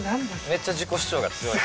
めっちゃ自己主張が強い。